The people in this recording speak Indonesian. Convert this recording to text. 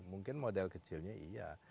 mungkin model kecilnya iya